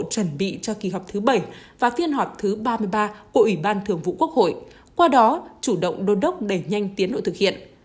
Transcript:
chuẩn bị cho kỳ họp thứ bảy và phiên họp thứ ba mươi ba của ủy ban thường vụ quốc hội qua đó chủ động đôn đốc đẩy nhanh tiến độ thực hiện